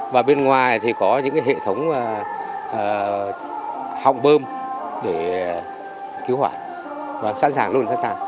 và bên ngoài thì có những hệ thống họng bơm để cứu hoạt